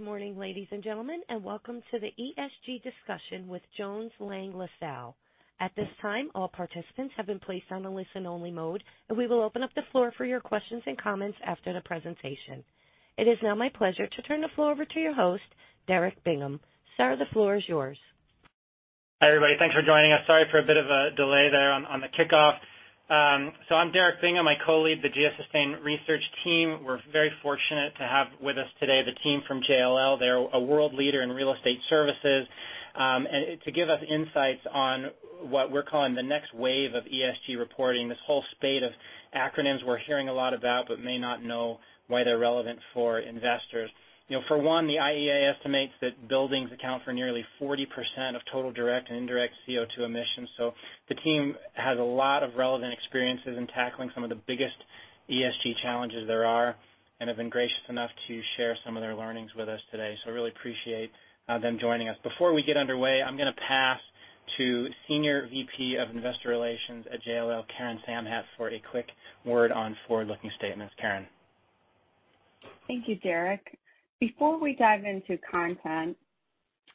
Good morning, ladies and gentlemen, and welcome to the ESG discussion with Jones Lang LaSalle. At this time, all participants have been placed on a listen-only mode, and we will open up the floor for your questions and comments after the presentation. It is now my pleasure to turn the floor over to your host, Derek Bingham. Sir, the floor is yours. Hi, everybody. Thanks for joining us. Sorry for a bit of a delay there on the kickoff. I'm Derek Bingham. I co-lead the GS Sustain research team. We're very fortunate to have with us today the team from JLL. They're a world leader in real estate services, and to give us insights on what we're calling the next wave of ESG reporting, this whole spate of acronyms we're hearing a lot about, but may not know why they're relevant for investors. For one, the IEA estimates that buildings account for nearly 40% of total direct and indirect CO2 emissions. The team has a lot of relevant experiences in tackling some of the biggest ESG challenges there are, and have been gracious enough to share some of their learnings with us today. Really appreciate them joining us. Before we get underway, I'm going to pass to Senior VP of Investor Relations at JLL, Karen Samhat, for a quick word on forward-looking statements. Karen. Thank you, Derek. Before we dive into content,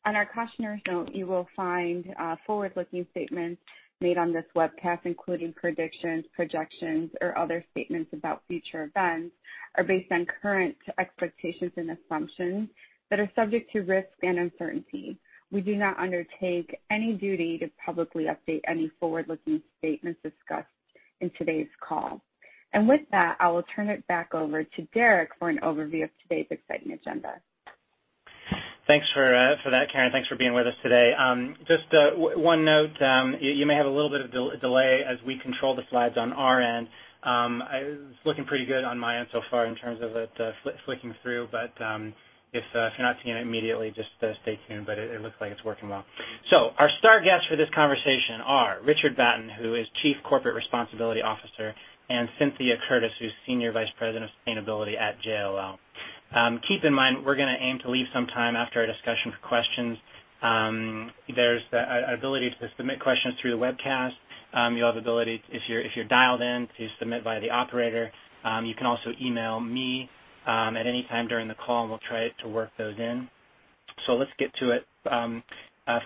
on our cautionary note, you will find forward-looking statements made on this webcast, including predictions, projections, or other statements about future events are based on current expectations and assumptions that are subject to risk and uncertainty. We do not undertake any duty to publicly update any forward-looking statements discussed in today's call. With that, I will turn it back over to Derek for an overview of today's exciting agenda. Thanks for that, Karen. Thanks for being with us today. Just one note, you may have a little bit of delay as we control the slides on our end. It's looking pretty good on my end so far in terms of it flicking through. If you're not seeing it immediately, just stay tuned. It looks like it's working well. Our star guests for this conversation are Richard Batten, who is Chief Corporate Responsibility Officer, and Cynthia Curtis, who's Senior Vice President of Sustainability at JLL. Keep in mind, we're going to aim to leave some time after our discussion for questions. There's ability to submit questions through the webcast. You'll have ability, if you're dialed in, to submit via the operator. You can also email me at any time during the call, and we'll try to work those in. Let's get to it.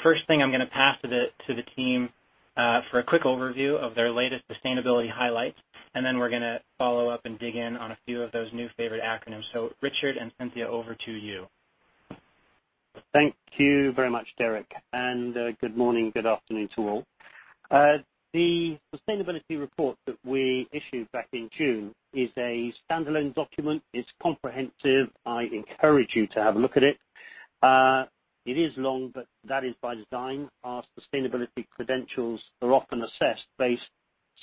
First thing, I'm going to pass to the team for a quick overview of their latest sustainability highlights, and then we're going to follow up and dig in on a few of those new favorite acronyms. Richard and Cynthia, over to you. Thank you very much, Derek, and good morning, good afternoon to all. The sustainability report that we issued back in June is a standalone document. It's comprehensive. I encourage you to have a look at it. It is long, but that is by design. Our sustainability credentials are often assessed based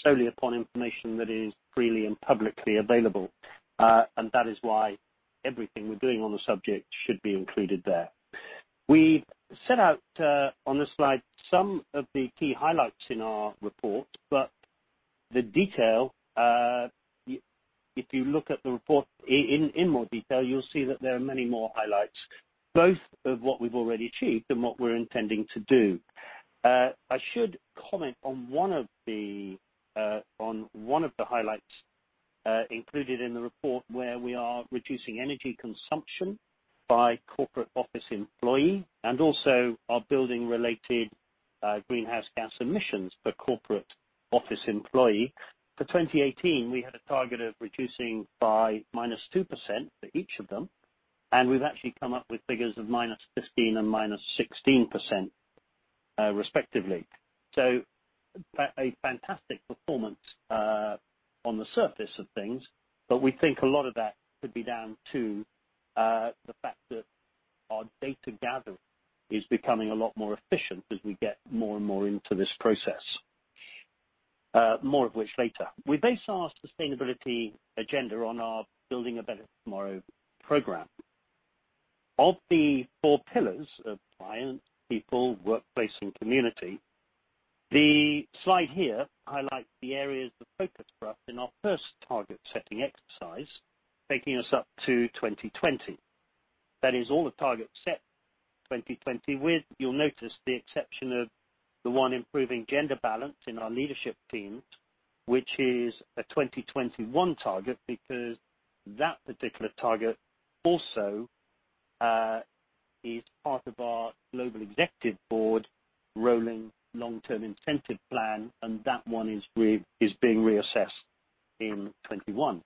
solely upon information that is freely and publicly available. That is why everything we're doing on the subject should be included there. We set out, on this slide, some of the key highlights in our report, the detail, if you look at the report in more detail, you'll see that there are many more highlights, both of what we've already achieved and what we're intending to do. I should comment on one of the highlights included in the report where we are reducing energy consumption by corporate office employee and also our building-related greenhouse gas emissions per corporate office employee. For 2018, we had a target of reducing by -2% for each of them, and we've actually come up with figures of -15% and -16%, respectively. A fantastic performance on the surface of things, but we think a lot of that could be down to the fact that our data gathering is becoming a lot more efficient as we get more and more into this process. More of which later. We base our sustainability agenda on our Building a Better Tomorrow program. Of the four pillars of clients, people, workplace, and community, the slide here highlights the areas of focus for us in our first target-setting exercise, taking us up to 2020. That is all the targets set 2020 with, you'll notice, the exception of the one improving gender balance in our leadership teams, which is a 2021 target because that particular target also is part of our Global Executive Board rolling long-term incentive plan, and that one is being reassessed in 2021.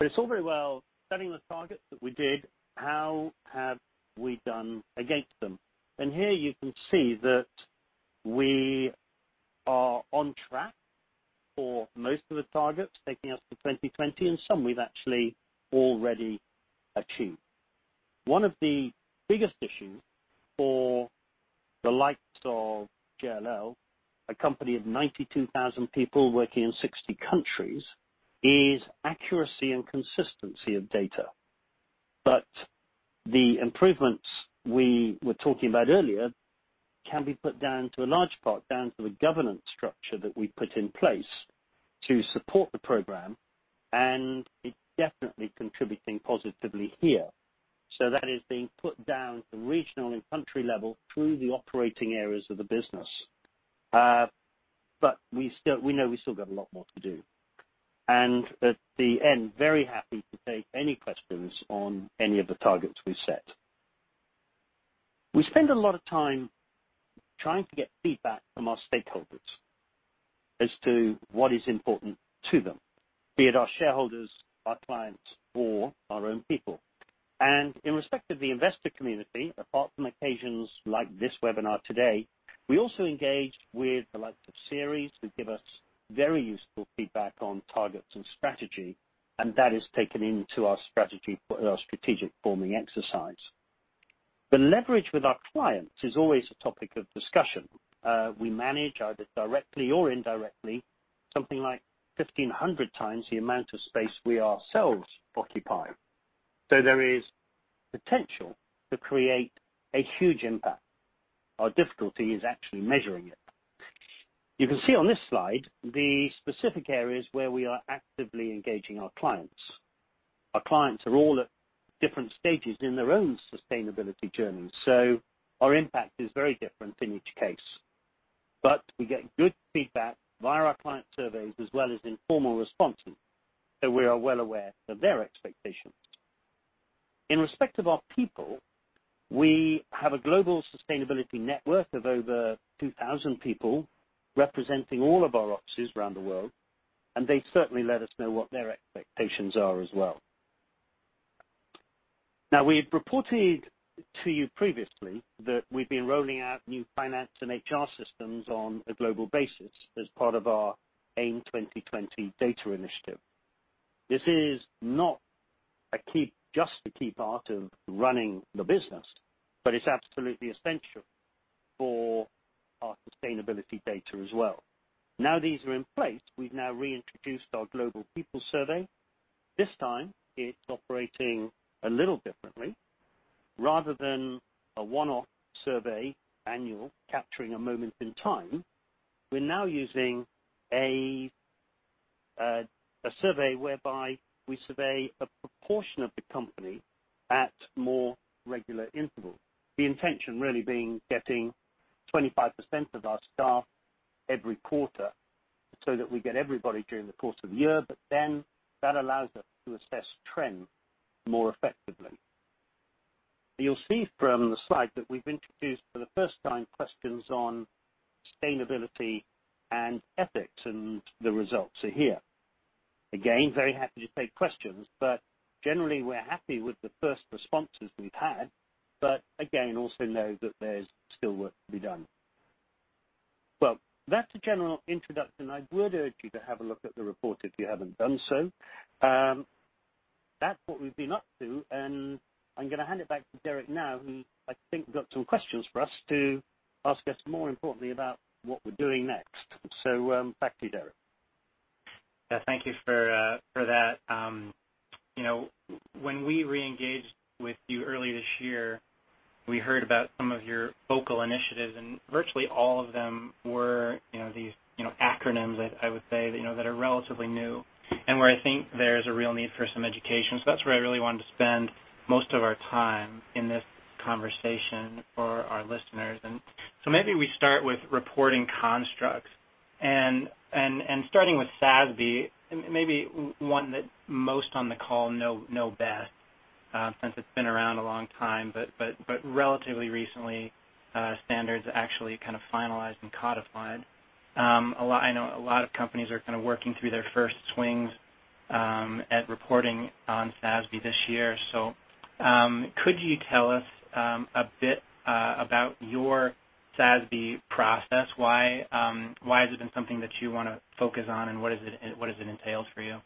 It's all very well setting the targets that we did, how have we done against them? Here you can see that we are on track for most of the targets taking us to 2020, and some we've actually already achieved. One of the biggest issues for the likes of JLL, a company of 92,000 people working in 60 countries, is accuracy and consistency of data. The improvements we were talking about earlier can be put down to a large part, down to a governance structure that we put in place to support the program, and it's definitely contributing positively here. That is being put down to regional and country level through the operating areas of the business. We know we still got a lot more to do. At the end, very happy to take any questions on any of the targets we set. We spend a lot of time trying to get feedback from our stakeholders as to what is important to them, be it our shareholders, our clients, or our own people. In respect of the investor community, apart from occasions like this webinar today, we also engage with the likes of Ceres, who give us very useful feedback on targets and strategy, and that is taken into our strategic forming exercise. The leverage with our clients is always a topic of discussion. We manage, either directly or indirectly, something like 1,500 times the amount of space we ourselves occupy. There is potential to create a huge impact. Our difficulty is actually measuring it. You can see on this slide the specific areas where we are actively engaging our clients. Our clients are all at different stages in their own sustainability journey, so our impact is very different in each case. We get good feedback via our client surveys as well as informal responses, so we are well aware of their expectations. In respect of our people, we have a global sustainability network of over 2,000 people representing all of our offices around the world, and they certainly let us know what their expectations are as well. Now, we had reported to you previously that we've been rolling out new finance and HR systems on a global basis as part of our AIM 2020 data initiative. This is not just a key part of running the business, but it's absolutely essential for our sustainability data as well. Now these are in place, we've now reintroduced our global people survey. This time it's operating a little differently. Rather than a one-off survey annual capturing a moment in time, we're now using a survey whereby we survey a proportion of the company at more regular intervals. The intention really being getting 25% of our staff every quarter so that we get everybody during the course of the year, but then that allows us to assess trends more effectively. You'll see from the slide that we've introduced for the first time questions on sustainability and ethics, and the results are here. Very happy to take questions, but generally we're happy with the first responses we've had. Also know that there's still work to be done. Well, that's a general introduction. I would urge you to have a look at the report if you haven't done so. That's what we've been up to, and I'm going to hand it back to Derek now, who I think got some questions for us to ask us more importantly about what we're doing next. Back to you, Derek. Thank you for that. When we reengaged with you earlier this year, we heard about some of your focal initiatives, and virtually all of them were these acronyms, I would say, that are relatively new and where I think there's a real need for some education. That's where I really wanted to spend most of our time in this conversation for our listeners. Maybe we start with reporting constructs and starting with SASB, maybe one that most on the call know best, since it's been around a long time, but relatively recently, standards actually kind of finalized and codified. I know a lot of companies are kind of working through their first swings at reporting on SASB this year. Could you tell us a bit about your SASB process? Why has it been something that you want to focus on, and what does it entail for you?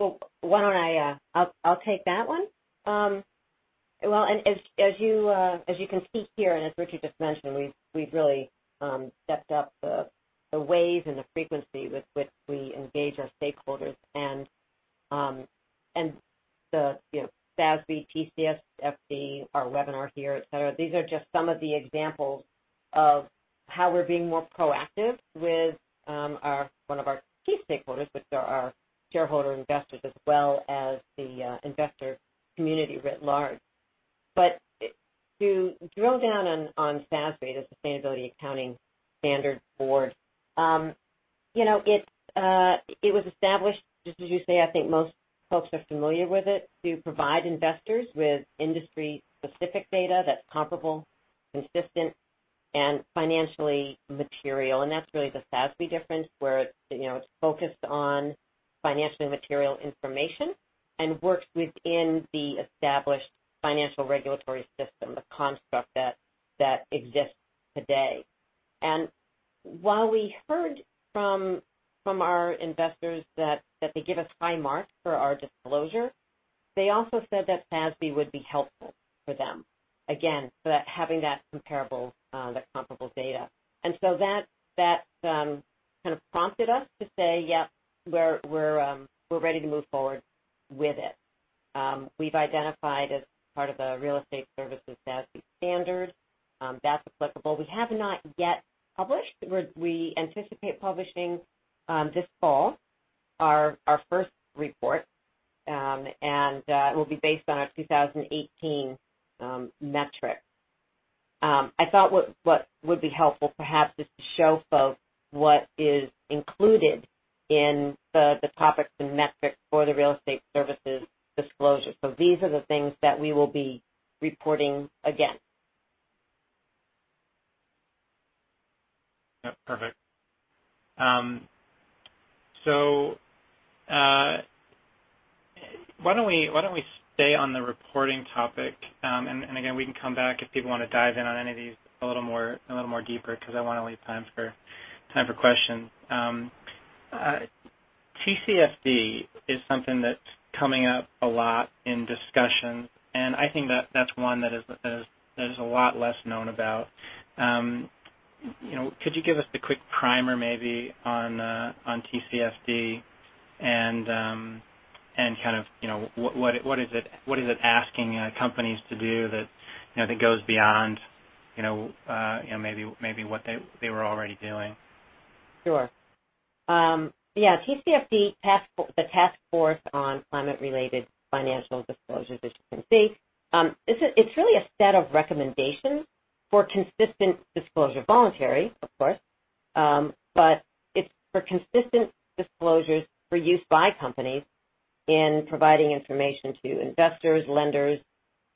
I'll take that one. As you can see here, as Richard just mentioned, we've really stepped up the ways and the frequency with which we engage our stakeholders and the SASB, TCFD, our webinar here, et cetera. These are just some of the examples of how we're being more proactive with one of our key stakeholders, which are our shareholder investors, as well as the investor community writ large. To drill down on SASB, the Sustainability Accounting Standards Board, it was established, just as you say, I think most folks are familiar with it, to provide investors with industry-specific data that's comparable, consistent, and financially material. That's really the SASB difference, where it's focused on financially material information and works within the established financial regulatory system, the construct that exists today. While we heard from our investors that they give us high marks for our disclosure, they also said that SASB would be helpful for them. Again, for having that comparable data. That kind of prompted us to say, "Yep, we're ready to move forward with it." We've identified as part of the real estate services SASB standard that's applicable. We have not yet published. We anticipate publishing this fall. Our first report, and it will be based on our 2018 metrics. I thought what would be helpful perhaps is to show folks what is included in the topics and metrics for the real estate services disclosure. These are the things that we will be reporting against. Yep, perfect. Why don't we stay on the reporting topic? Again, we can come back if people want to dive in on any of these a little more deeper, because I want to leave time for questions. TCFD is something that's coming up a lot in discussions, and I think that's one that is a lot less known about. Could you give us the quick primer maybe on TCFD and what is it asking companies to do that goes beyond maybe what they were already doing? Sure. TCFD, the Task Force on Climate-related Financial Disclosures, as you can see it's really a set of recommendations for consistent disclosure, voluntary, of course. It's for consistent disclosures for use by companies in providing information to investors, lenders,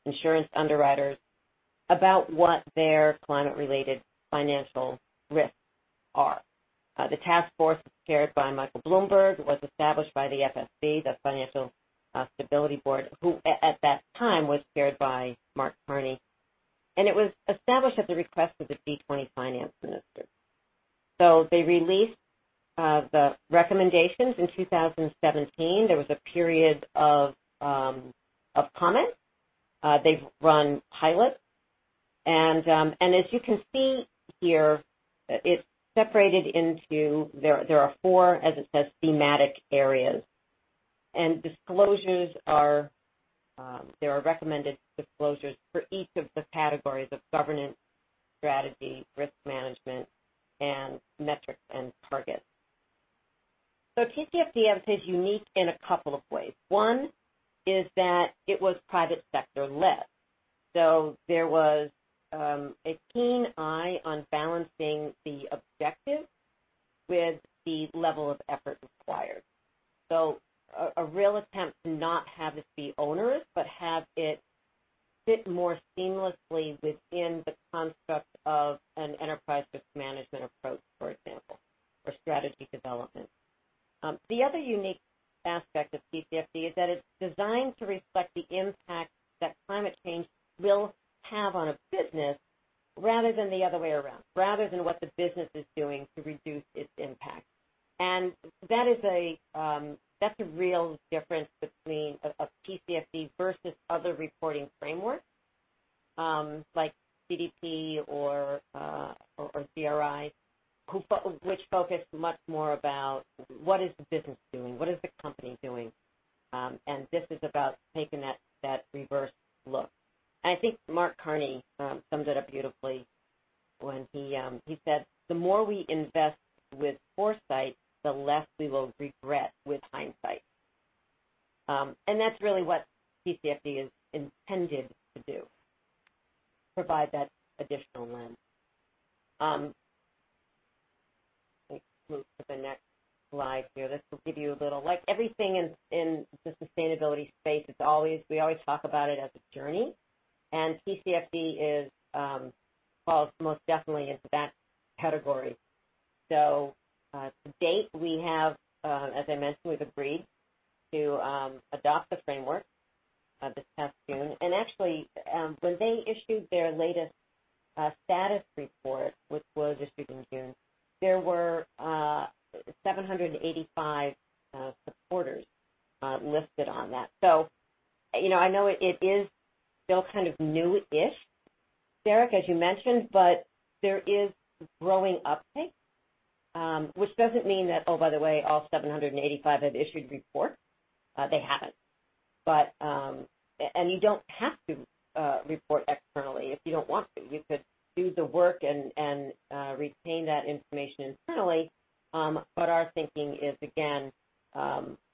insurance underwriters, about what their climate-related financial risks are. The task force was chaired by Michael Bloomberg, was established by the FSB, the Financial Stability Board, who at that time was chaired by Mark Carney, and it was established at the request of the G20 finance ministers. They released the recommendations in 2017. There was a period of comments. They've run pilots, and as you can see here, it's separated into four, as it says, thematic areas. There are recommended disclosures for each of the categories of governance, strategy, risk management, and metrics and targets. TCFD, I would say, is unique in a couple of ways. One is that it was private sector-led, there was a keen eye on balancing the objective with the level of effort required. A real attempt to not have it be onerous, but have it fit more seamlessly within the construct of an enterprise risk management approach, for example, or strategy development. The other unique aspect of TCFD is that it's designed to reflect the impact that climate change will have on a business rather than the other way around, rather than what the business is doing to reduce its impact. That's a real difference between a TCFD versus other reporting frameworks, like CDP or GRI, which focus much more about what is the business doing, what is the company doing, and this is about taking that reverse look. I think Mark Carney summed it up beautifully when he said, "The more we invest with foresight, the less we will regret with hindsight." That's really what TCFD is intended to do, provide that additional lens. Let me move to the next slide here. Like everything in the sustainability space, we always talk about it as a journey, and TCFD falls most definitely into that category. To date, as I mentioned, we've agreed to adopt the framework this past June. Actually, when they issued their latest status report, which was issued in June, there were 785 supporters listed on that. I know it is still kind of new-ish, Derek, as you mentioned, but there is growing uptake. Which doesn't mean that, oh, by the way, all 785 have issued reports. They haven't. You don't have to report externally if you don't want to. You could do the work and retain that information internally. Our thinking is, again,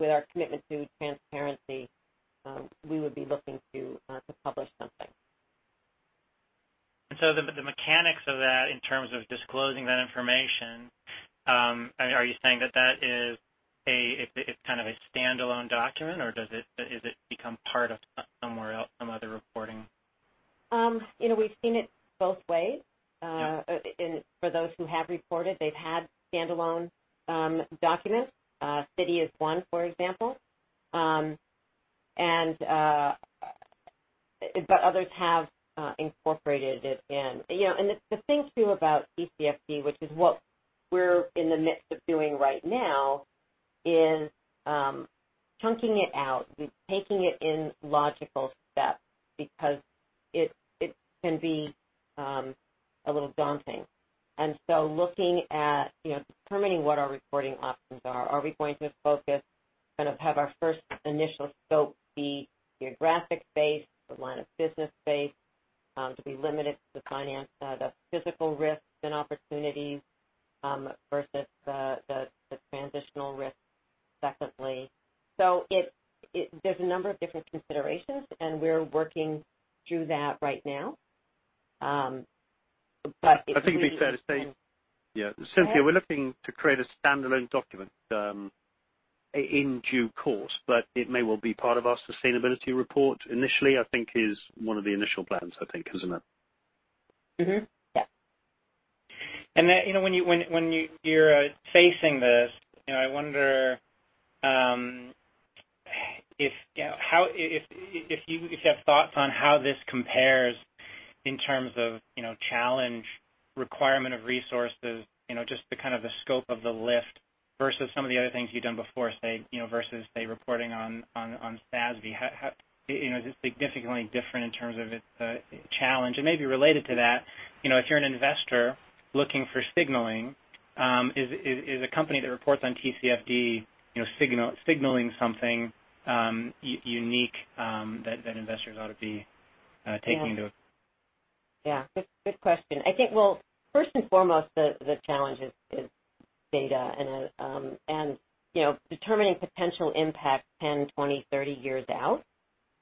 with our commitment to transparency, we would be looking to publish something. The mechanics of that, in terms of disclosing that information, are you saying that it's a standalone document, or does it become part of some other reporting? We've seen it both ways. Yeah. For those who have reported, they've had standalone documents. Citi is one, for example, but others have incorporated it in. The thing, too, about TCFD, which is what we're in the midst of doing right now, is chunking it out. We're taking it in logical steps because it can be a little daunting. Looking at determining what our reporting options are. Are we going to focus, have our first initial scope be geographic-based or line of business-based? To be limited to finance the physical risks and opportunities versus the transitional risks, secondly. There's a number of different considerations, and we're working through that right now. I think it'd be fair to say. Go ahead. Yeah. Cynthia, we're looking to create a standalone document, in due course, but it may well be part of our sustainability report initially, I think is one of the initial plans, I think, isn't it? Mm-hmm. Yeah. Then when you're facing this, I wonder if you have thoughts on how this compares in terms of challenge, requirement of resources, just the kind of the scope of the lift versus some of the other things you've done before, say, versus, say, reporting on SASB. Is it significantly different in terms of its challenge? Maybe related to that, if you're an investor looking for signaling, is a company that reports on TCFD signaling something unique, that investors ought to be taking note? Good question. I think, well, first and foremost, the challenge is data and determining potential impact 10, 20, 30 years out,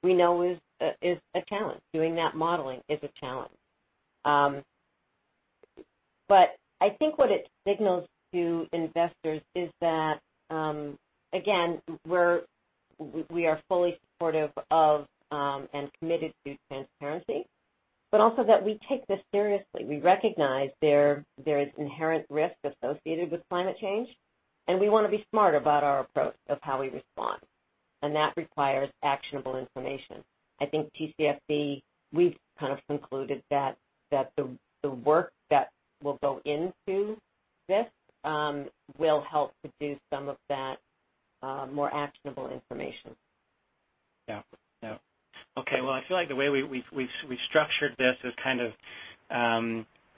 we know is a challenge. Doing that modeling is a challenge. I think what it signals to investors is that, again, we are fully supportive of, and committed to transparency, but also that we take this seriously. We recognize there is inherent risk associated with climate change, and we want to be smart about our approach of how we respond. That requires actionable information. I think TCFD, we've kind of concluded that the work that will go into this, will help produce some of that more actionable information. Okay, well, I feel like the way we've structured this is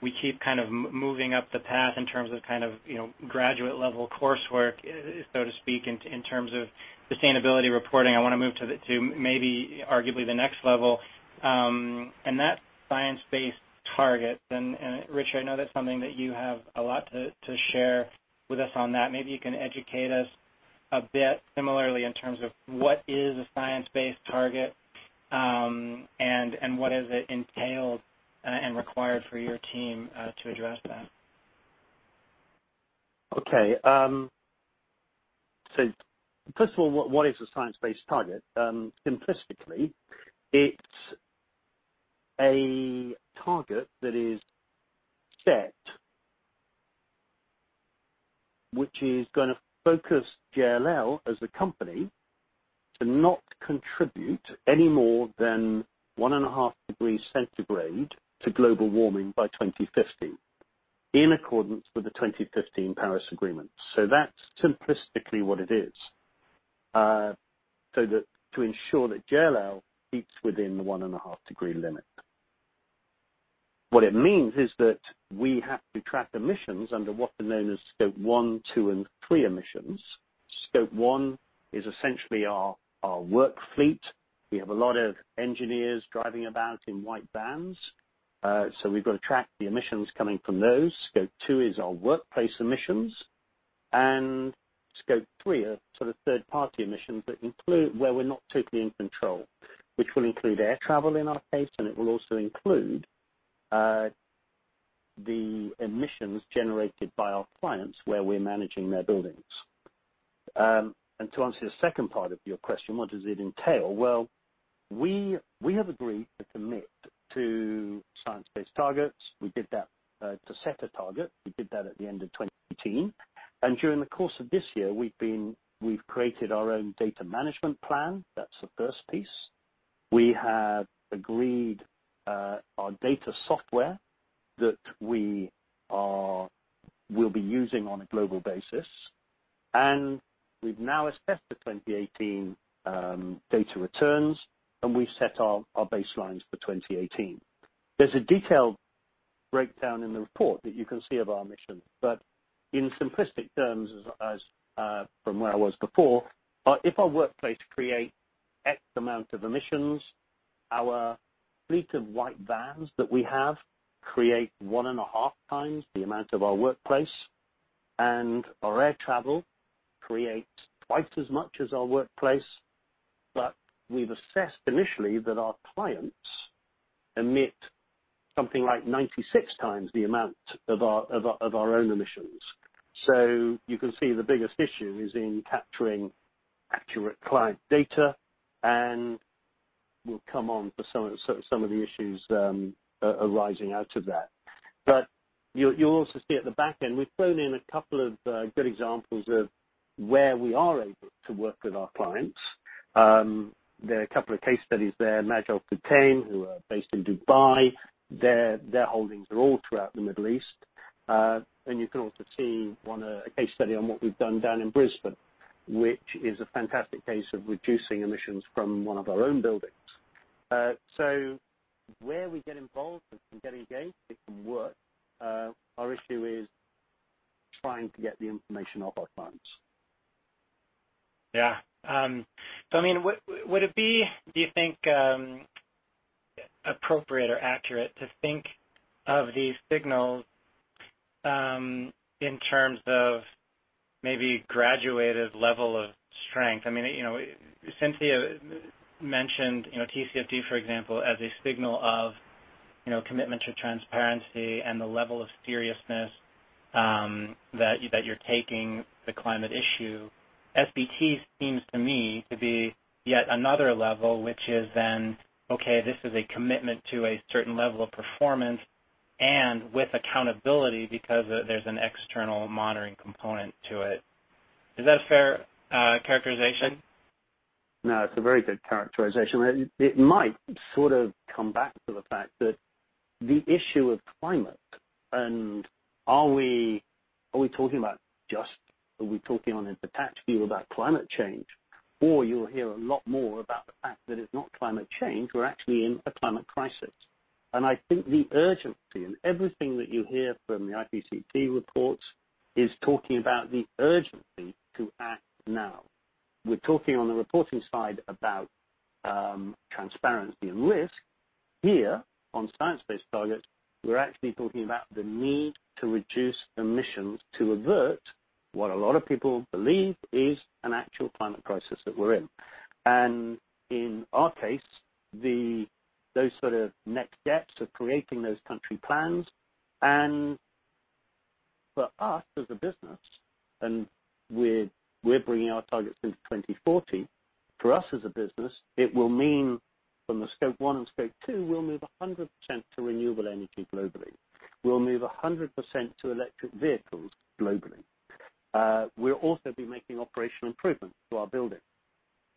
we keep kind of moving up the path in terms of graduate level coursework, so to speak, in terms of sustainability reporting. I want to move to maybe arguably the next level, and that's science-based targets. Rich, I know that's something that you have a lot to share with us on that. Maybe you can educate us a bit similarly in terms of what is a science-based target, and what has it entailed and required for your team, to address that? Okay. First of all, what is a science-based target? Simplistically, it's a target that is set, which is gonna focus JLL as a company to not contribute any more than 1.5 degrees centigrade to global warming by 2050, in accordance with the 2015 Paris Agreement. That's simplistically what it is. To ensure that JLL keeps within the 1.5-degree limit. What it means is that we have to track emissions under what are known as Scope 1, 2, and 3 emissions. Scope 1 is essentially our work fleet. We have a lot of engineers driving about in white vans. We've got to track the emissions coming from those. Scope 2 is our workplace emissions, and Scope 3 are sort of third-party emissions where we're not totally in control, which will include air travel in our case, and it will also include the emissions generated by our clients where we're managing their buildings. To answer the second part of your question, what does it entail? Well, we have agreed to commit to science-based targets. We did that to set a target. We did that at the end of 2018. During the course of this year, we've created our own data management plan. That's the first piece. We have agreed our data software that we'll be using on a global basis. We've now assessed the 2018 data returns, and we've set our baselines for 2018. There's a detailed breakdown in the report that you can see of our emissions. In simplistic terms, from where I was before, if our workplace creates X amount of emissions, our fleet of white vans that we have create one and a half times the amount of our workplace, and our air travel creates twice as much as our workplace. We've assessed initially that our clients emit something like 96 times the amount of our own emissions. You can see the biggest issue is in capturing accurate client data, and we'll come on to some of the issues arising out of that. You'll also see at the back end, we've thrown in a couple of good examples of where we are able to work with our clients. There are a couple of case studies there. Majid Al Futtaim, who are based in Dubai, their holdings are all throughout the Middle East. You can also see a case study on what we've done down in Brisbane, which is a fantastic case of reducing emissions from one of our own buildings. Where we get involved and can get engaged, it can work. Our issue is trying to get the information off our clients. Yeah. Would it be, do you think, appropriate or accurate to think of these signals in terms of maybe graduated level of strength? Cynthia mentioned TCFD, for example, as a signal of commitment to transparency and the level of seriousness that you're taking the climate issue. SBT seems to me to be yet another level, which is then, okay, this is a commitment to a certain level of performance and with accountability because there's an external monitoring component to it. Is that a fair characterization? No, it's a very good characterization. It might sort of come back to the fact that the issue of climate and are we talking on a detached view about climate change, or you'll hear a lot more about the fact that it's not climate change, we're actually in a climate crisis. I think the urgency and everything that you hear from the IPCC reports is talking about the urgency to act now. We're talking on the reporting side about transparency and risk. Here, on science-based targets, we're actually talking about the need to reduce emissions to avert what a lot of people believe is an actual climate crisis that we're in. In our case, those sort of next steps of creating those country plans and for us as a business, and we're bringing our targets into 2040. For us as a business, it will mean from the Scope 1 and Scope 2, we'll move 100% to renewable energy globally. We'll move 100% to electric vehicles globally. We'll also be making operational improvements to our building.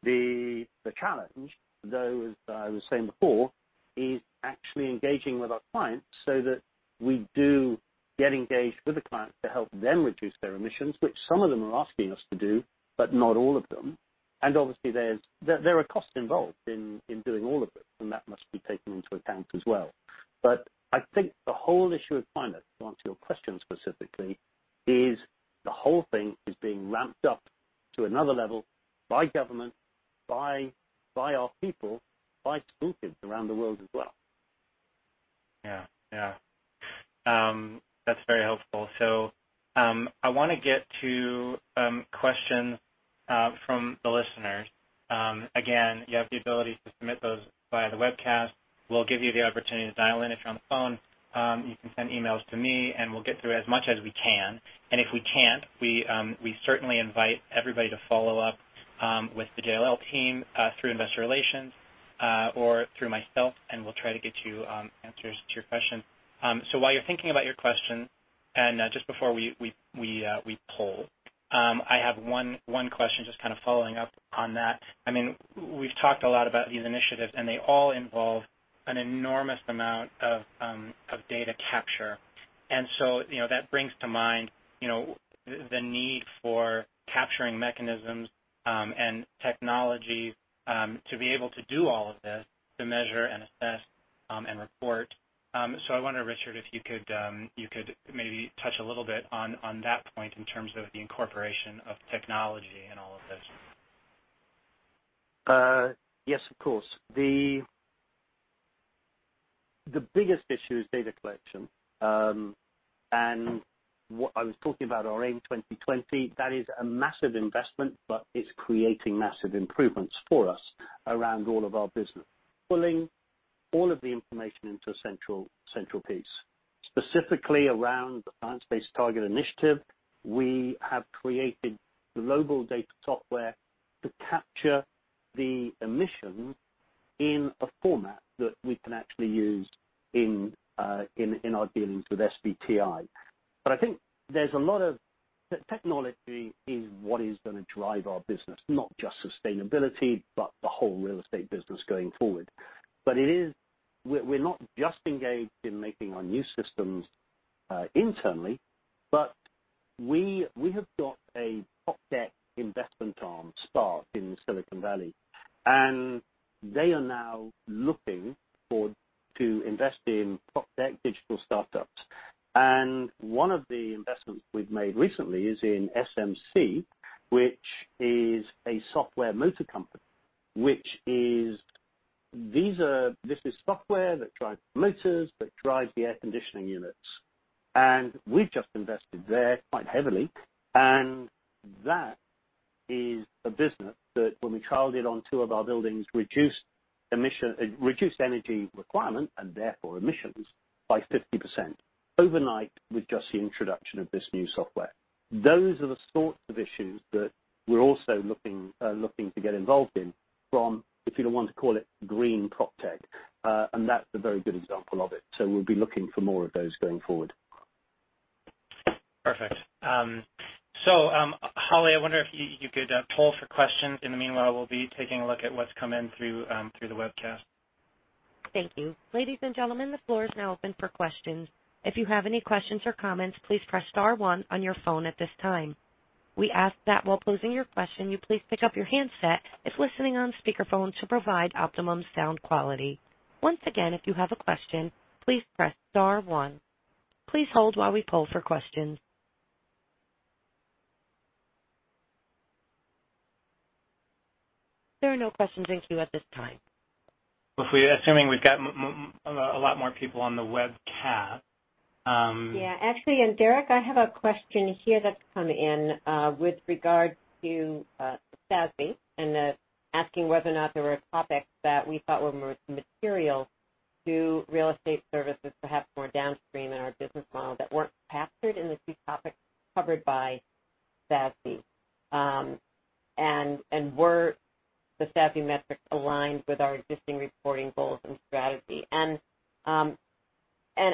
The challenge, though, as I was saying before, is actually engaging with our clients so that we do get engaged with the clients to help them reduce their emissions, which some of them are asking us to do, but not all of them. Obviously, there are costs involved in doing all of this, and that must be taken into account as well. I think the whole issue of climate, to answer your question specifically, is the whole thing is being ramped up to another level by government, by our people, by school kids around the world as well. Yeah. That's very helpful. I want to get to questions from the listeners. Again, you have the ability to submit those via the webcast. We'll give you the opportunity to dial in if you're on the phone. You can send emails to me, and we'll get through as much as we can. If we can't, we certainly invite everybody to follow up with the JLL team through investor relations or through myself, and we'll try to get you answers to your question. While you're thinking about your question, and just before we poll, I have one question just kind of following up on that. We've talked a lot about these initiatives, and they all involve an enormous amount of data capture. That brings to mind the need for capturing mechanisms and technology to be able to do all of this, to measure and assess and report. I wonder, Richard, if you could maybe touch a little bit on that point in terms of the incorporation of technology in all of this. Yes, of course. The biggest issue is data collection. What I was talking about our AIM 2020, that is a massive investment, but it's creating massive improvements for us around all of our business, pulling all of the information into a central piece. Specifically around the Science Based Targets initiative, we have created the global data software to capture the emissions in a format that we can actually use in our dealings with SBTI. I think technology is what is going to drive our business, not just sustainability, but the whole real estate business going forward. We're not just engaged in making our new systems internally, but we have got a top-deck investment arm, Spark, in Silicon Valley, and they are now looking to invest in top-deck digital startups. One of the investments we've made recently is in SMC, which is a Software Motor Company. This is software that drives the motors, that drives the air conditioning units. We've just invested there quite heavily, and that is a business that when we trialed it on two of our buildings, reduced energy requirement and therefore emissions by 50% overnight with just the introduction of this new software. Those are the sorts of issues that we're also looking to get involved in from, if you want to call it Green PropTech. That's a very good example of it. We'll be looking for more of those going forward. Perfect. Holly, I wonder if you could poll for questions. In the meanwhile, we'll be taking a look at what's come in through the webcast. Thank you. Ladies and gentlemen, the floor is now open for questions. If you have any questions or comments, please press star one on your phone at this time. We ask that while posing your question, you please pick up your handset if listening on speakerphone to provide optimum sound quality. Once again, if you have a question, please press star one. Please hold while we poll for questions. There are no questions in queue at this time. Well, assuming we've got a lot more people on the webcast. Yeah. Actually, Derek, I have a question here that's come in with regards to SASB. They're asking whether or not there were topics that we thought were more material to real estate services, perhaps more downstream in our business model that weren't captured in the few topics covered by SASB. Were the SASB metrics aligned with our existing reporting goals and strategy?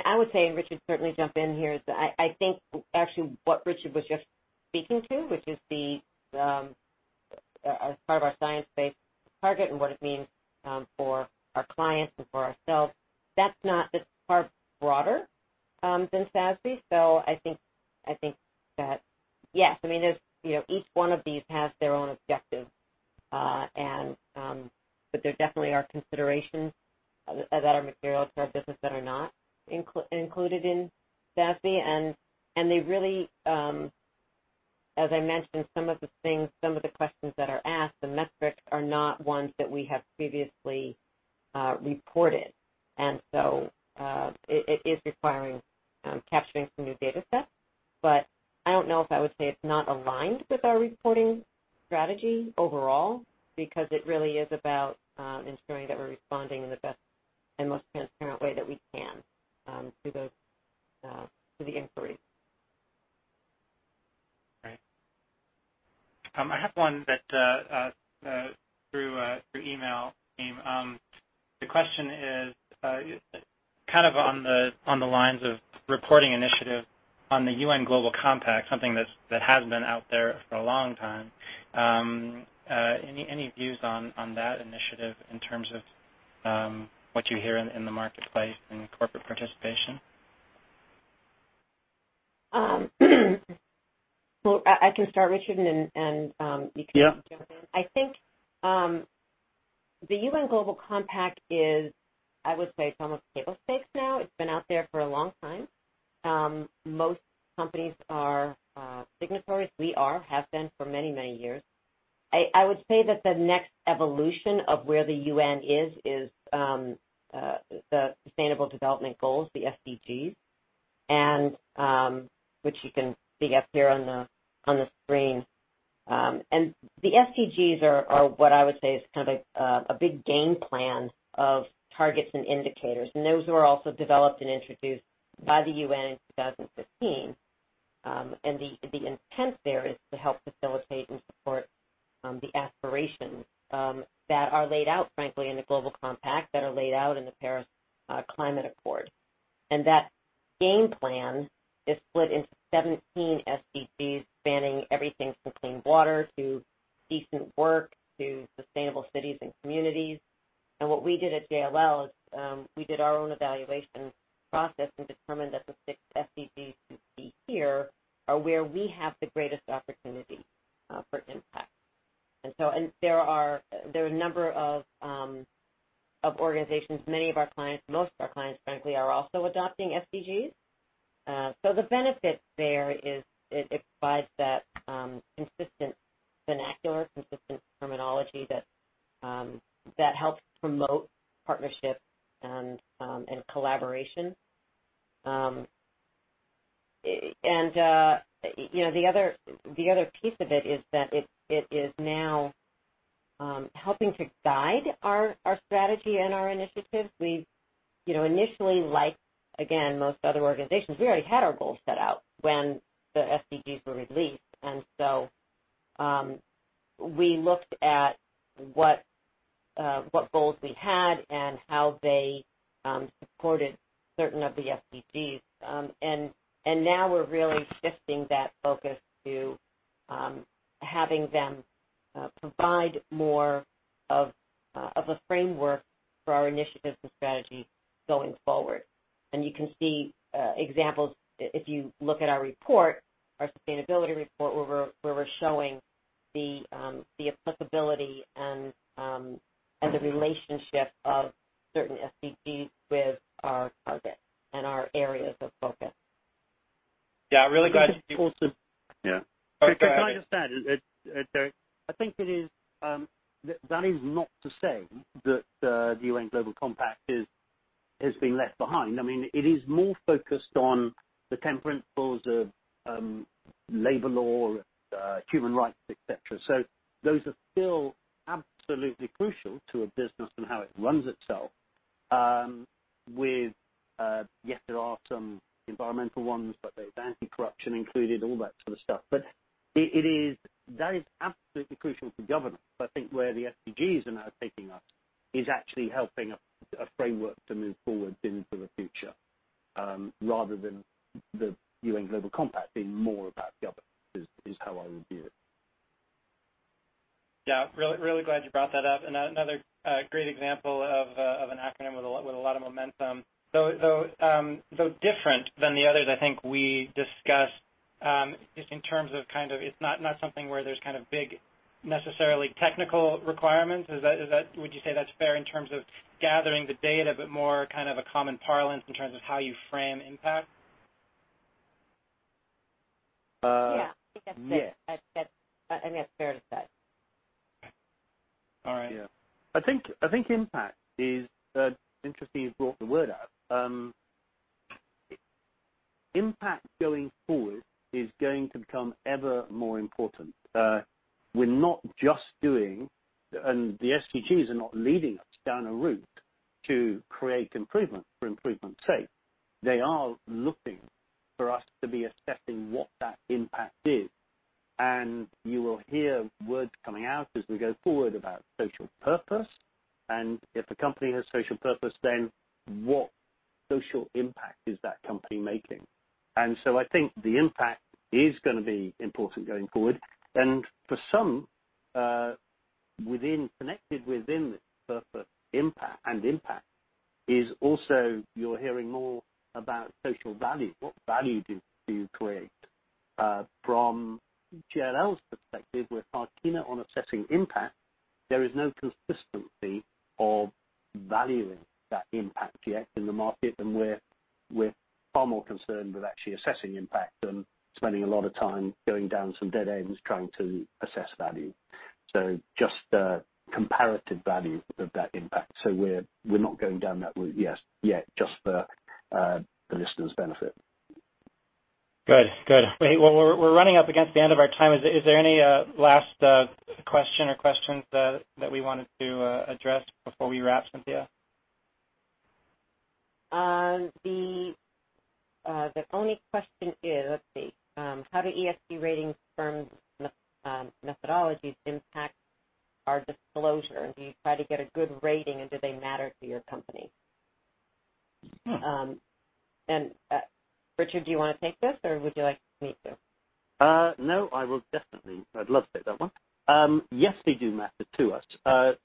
I would say, Richard certainly jump in here, is I think actually what Richard was just speaking to, which is the part of our science-based target and what it means for our clients and for ourselves. That's far broader than SASB. I think that, yes, each one of these has their own objective. There definitely are considerations that are material to our business that are not included in SASB. They really, as I mentioned, some of the things, some of the questions that are asked, the metrics are not ones that we have previously reported. It is requiring capturing some new data sets. I don't know if I would say it's not aligned with our reporting strategy overall, because it really is about ensuring that we're responding in the best and most transparent way that we can, to the inquiries. Right. I have one that through email came. The question is kind of on the lines of reporting initiative on the UN Global Compact, something that has been out there for a long time. Any views on that initiative in terms of what you hear in the marketplace and corporate participation? Well, I can start, Richard. Yeah jump in. I think, the UN Global Compact is, I would say it's almost table stakes now. It's been out there for a long time. Most companies are signatories. We are, have been for many years. I would say that the next evolution of where the UN is the Sustainable Development Goals, the SDGs, which you can see up here on the screen. The SDGs are what I would say is kind of a big game plan of targets and indicators, those were also developed and introduced by the UN in 2015. The intent there is to help facilitate and support the aspirations that are laid out, frankly, in the Global Compact, that are laid out in the Paris Climate Accord. That game plan is split into 17 SDGs spanning everything from clean water to decent work to sustainable cities and communities. What we did at JLL is we did our own evaluation process and determined that the six SDGs you see here are where we have the greatest opportunity for impact. There are a number of organizations, many of our clients, most of our clients, frankly, are also adopting SDGs. The benefit there is it provides that consistent vernacular, consistent terminology that helps promote partnership and collaboration. The other piece of it is that it is now helping to guide our strategy and our initiatives. We initially like, again, most other organizations, we already had our goals set out when the SDGs were released. We looked at what goals we had and how they supported certain of the SDGs. Now we're really shifting that focus to having them provide more of a framework for our initiatives and strategy going forward. You can see examples if you look at our report, our sustainability report, where we're showing the applicability and the relationship of certain SDGs with our targets and our areas of focus. Yeah, really glad. This is important. Yeah. Oh, go ahead. Can I just add, Derek, I think that is not to say that the UN Global Compact has been left behind. It is more focused on the 10 principles of labor law, human rights, et cetera. Those are still absolutely crucial to a business and how it runs itself with, yes, there are some environmental ones, but there's anti-corruption included, all that sort of stuff. That is absolutely crucial for governance. I think where the SDGs are now picking up is actually helping a framework to move forward into the future, rather than the UN Global Compact being more about governance is how I would view it. Yeah. Really glad you brought that up. Another great example of an acronym with a lot of momentum, though different than the others I think we discussed. Just in terms of, it's not something where there's big necessarily technical requirements. Would you say that's fair in terms of gathering the data, but more a common parlance in terms of how you frame impact? Yeah, I think that's fair. I think that's fair to say. Okay. All right. Yeah. I think interesting you brought the word up. Impact going forward is going to become ever more important. We're not just doing. The SDGs are not leading us down a route to create improvement for improvement's sake. They are looking for us to be assessing what that impact is. You will hear words coming out as we go forward about social purpose, and if a company has social purpose, then what social impact is that company making? I think the impact is going to be important going forward. For some, connected within this purpose and impact is also you're hearing more about social value. What value do you create? From JLL's perspective, we're far keener on assessing impact. There is no consistency of valuing that impact yet in the market, and we're far more concerned with actually assessing impact than spending a lot of time going down some dead ends trying to assess value. Just the comparative value of that impact. We're not going down that route yet, just for the listeners' benefit. Good. Well, we're running up against the end of our time. Is there any last question or questions that we wanted to address before we wrap, Cynthia? The only question is, let's see. How do ESG rating firms' methodologies impact our disclosure? Do you try to get a good rating, and do they matter to your company? Richard, do you want to take this, or would you like me to? No, I will definitely. I'd love to take that one. Yes, they do matter to us.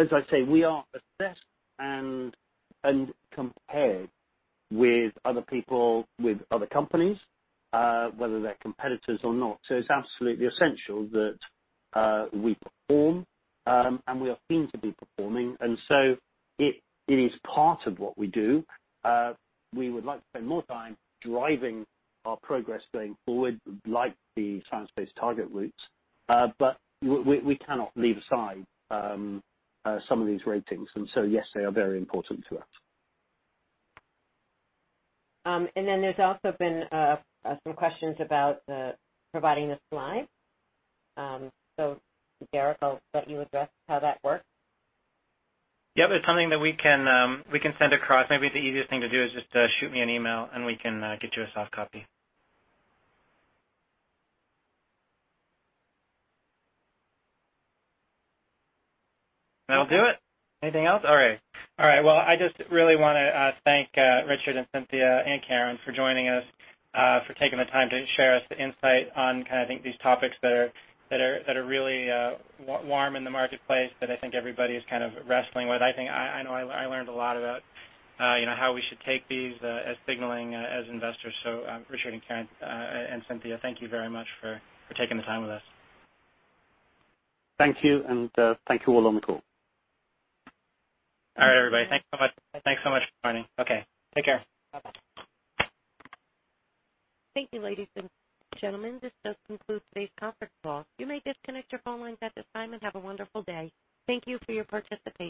As I say, we are assessed and compared with other people, with other companies, whether they're competitors or not. It's absolutely essential that we perform, and we are seen to be performing, and so it is part of what we do. We would like to spend more time driving our progress going forward, like the science-based targets. We cannot leave aside some of these ratings. Yes, they are very important to us. There's also been some questions about providing the slides. Derek, I'll let you address how that works. Yep, it's something that we can send across. Maybe the easiest thing to do is just to shoot me an email, and we can get you a soft copy. That'll do it. Anything else? All right. Well, I just really want to thank Richard and Cynthia and Karen for joining us, for taking the time to share with us the insight on these topics that are really warm in the marketplace, that I think everybody is wrestling with. I know I learned a lot about how we should take these as signaling as investors. Richard and Cynthia, thank you very much for taking the time with us. Thank you, thank you all on the call. All right, everybody. Thanks so much for joining. Okay. Take care. Bye-bye. Thank you, ladies and gentlemen. This does conclude today's conference call. You may disconnect your phone lines at this time, and have a wonderful day. Thank you for your participation.